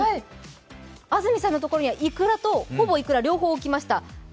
安住さんのところには、いくらと、ほぼいくら両方置きました。